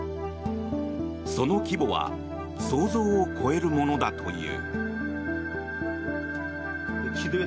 その規模は想像を超えるものだという。